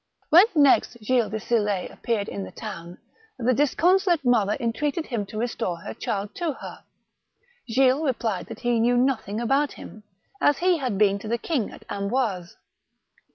When next Gilles de Sill6 appeared in the town, the disconsolate mother entreated him to restore her child to her. Gilles replied that he knew nothing about him, as he had been to the king at Amboise.